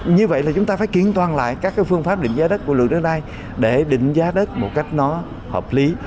như vậy là chúng ta phải kiện toàn lại các phương pháp định giá đất của lượng đất đai để định giá đất một cách nó hợp lý